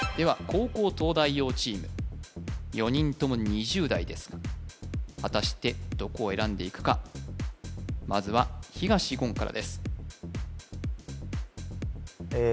後攻東大王チーム４人とも２０代です果たしてどこを選んでいくかまずは東言からです